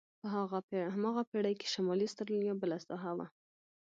په هماغه پېړۍ کې شمالي استرالیا بله ساحه وه.